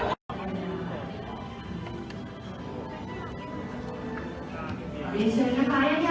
ขอบคุณภาพให้กับคุณผู้ฝ่าย